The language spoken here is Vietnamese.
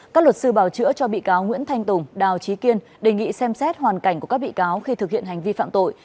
các luật sư bảo chữa cho bị cáo nguyễn thanh tùng đào trí kiên đề nghị xem xét hoàn cảnh của các bị cáo khi thực hiện hành vi phạm tội